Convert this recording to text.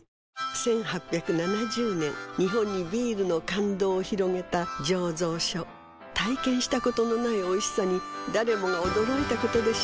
１８７０年日本にビールの感動を広げた醸造所体験したことのないおいしさに誰もが驚いたことでしょう